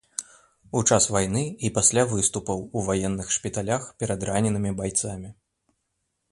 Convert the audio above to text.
У час вайны і пасля выступаў у ваенных шпіталях перад раненымі байцамі.